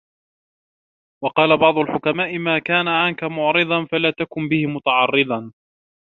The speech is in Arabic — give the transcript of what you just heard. وَقَالَ بَعْضُ الْحُكَمَاءِ مَا كَانَ عَنْك مُعْرِضًا ، فَلَا تَكُنْ بِهِ مُتَعَرِّضًا